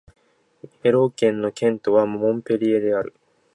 エロー県の県都はモンペリエである